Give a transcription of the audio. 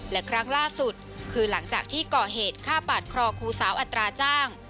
และครั้งล่าสุดคือหลังจากที่ก่อเหตุฆ่าปาดคอครูสาวอัตราจ้าง